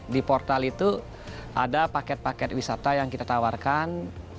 di portal itu ada paket paket wisata yang kita tawarkan